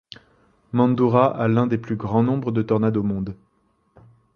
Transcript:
Mandurah a l'un des plus grands nombres de tornades au monde.